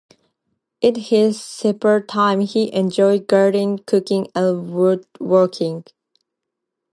In his spare time, he enjoys gardening, cooking and woodworking.